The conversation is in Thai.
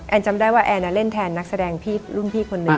แอนน์จำได้ว่าแอนน์เล่นแทนนักแสดงรุ่นพี่คนนึง